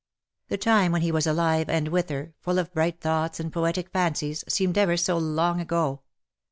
The time when he was alive and with her, full of bright thoughts and poetic fancies, seemed ever so long ago.